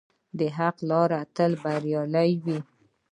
د حق لاره تل بریالۍ وي.